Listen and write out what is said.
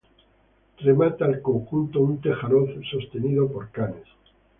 Remata el conjunto un tejaroz sostenido por canes.